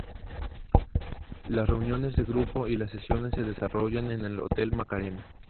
Las reuniones de grupo y las sesiones se desarrollan en el hotel Macarena.